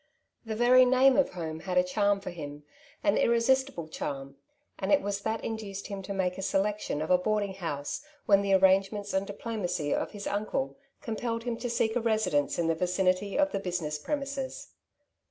The very name of home had a charm for him, an irri sistible charm, and it was that induced him to make a selection of a boarding house, when the arrange ments and diplomacy of his uncle compelled him to seek a residence in the vicinity of the business premises.